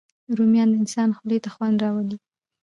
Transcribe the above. رومیان د انسان خولې ته خوند راولي